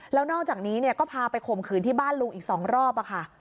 แล้วนอกจากนี้ก็พาไปข่มขืนที่บ้านลุงอีก๒รอบค่ะ